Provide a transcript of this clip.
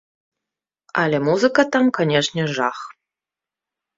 Але музыка там, канешне, жах.